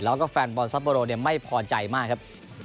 แล้วก็แฟนบอลซัปโบโรไม่พอใจมากครับ